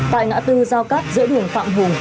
tại ngã tư giao cắt giữa đường phạm hùng